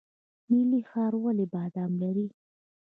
نیلي ښار ولې بادام لري؟